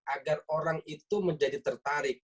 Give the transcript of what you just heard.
agar orang itu menjadi tertarik